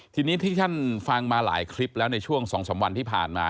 ทีนี้ที่ท่านฟังมาหลายคลิปแล้วในช่วง๒๓วันที่ผ่านมา